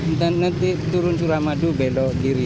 nanti turun suramadu belok kiri